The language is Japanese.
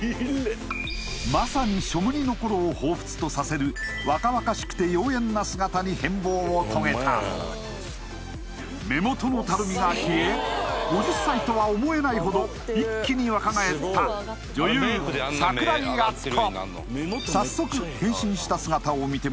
まさに「ショムニ」の頃を彷彿とさせる若々しくて妖艶な姿に変貌を遂げた目元のたるみが消え５０歳とは思えないほど一気に若返った女優櫻井淳子